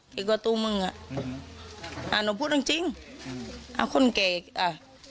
เกี่ยวกับตัวมึงอ่ะอ่าหนูพูดจริงเอ้าคนเก่อ่ะ